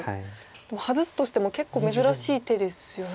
でも外すとしても結構珍しい手ですよね。